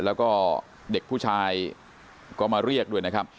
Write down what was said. แล้วก็เด็กผู้ชายก็มาเรียกด้วยนะครับ